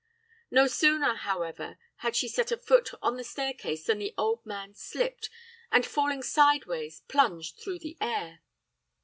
No sooner, however, had she set a foot on the staircase than the old man slipped, and, falling sideways, plunged through the air.